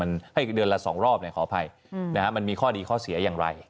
มันให้เดือนละสองรอบเนี่ยขออภัยอืมนะฮะมันมีข้อดีข้อเสียอย่างไร